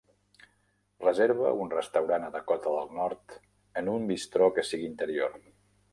reserva un restaurant a Dakota del Nord en un bistro que sigui interior